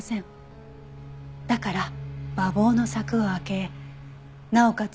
だから馬房の柵を開けなおかつ